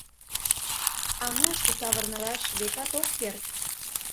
Аҥаште савырнылаш, векат, ок керт.